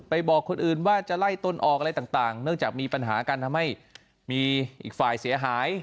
บอกคนอื่นว่าจะไล่ต้นออกอะไรต่างเนื่องจากมีปัญหาการทำให้มีอีกฝ่ายเสียหาย